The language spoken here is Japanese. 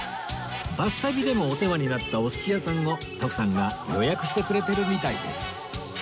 『バス旅』でもお世話になったお寿司屋さんを徳さんが予約してくれてるみたいです